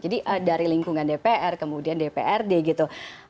jadi dari lingkungan dpr kemudian dprd gitu